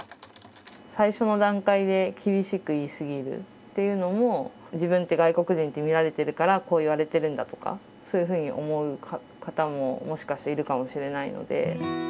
最初の段階で厳しく言い過ぎるっていうのも自分って外国人って見られてるからこう言われてるんだとかそういうふうに思う方ももしかしたらいるかもしれないので。